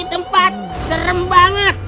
ini tempat serem banget